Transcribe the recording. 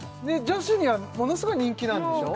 女子にはものすごい人気なんでしょ？